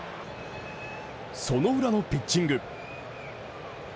その裏のピッチング。